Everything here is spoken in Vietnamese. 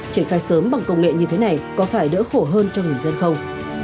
triển khai sớm bằng công nghệ như thế này có phải đỡ khổ hơn cho người dân không